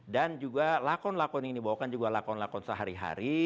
dan juga lakon lakon yang dibawakan juga lakon lakon sehari hari